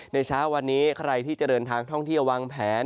เช้าวันนี้ใครที่จะเดินทางท่องเที่ยววางแผน